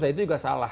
nah itu juga salah